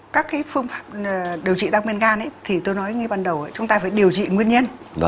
các phương pháp điều trị tăng men gan thì tôi nói ngay ban đầu chúng ta phải điều trị nguyên nhân